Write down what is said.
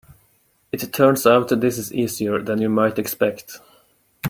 It turns out this is easier than you might expect.